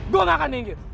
gue gak akan minggir